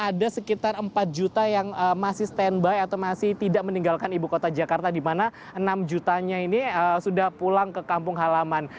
jadi ada sekitar empat juta yang masih stand by atau masih tidak meninggalkan ibu kota jakarta di mana enam jutanya ini sudah pulang ke kampung halaman